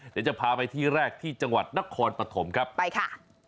เดี๋ยวจะพาไปที่แรกที่จังหวัดนครปฐมครับไปค่ะ